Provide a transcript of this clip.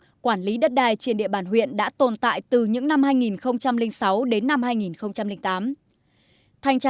và quản lý đất đai trên địa bàn huyện đã tồn tại từ những năm hai nghìn sáu đến năm hai nghìn tám thanh tra